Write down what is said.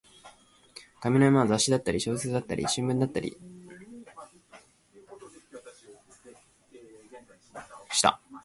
紙の山は雑誌だったり、小説だったり、新聞だったり、大量の広告だったりした